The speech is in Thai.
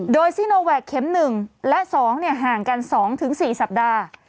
โดยซิโนแวคเข็ม๑และ๒ห่างกัน๒๔สัปดาห์